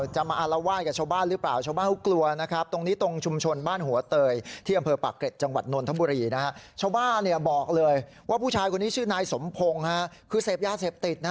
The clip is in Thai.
ชาวบ้านบอกเลยว่าผู้ชายคนนี้ชื่อนายสมพงศ์คือเสพยาดเสพติด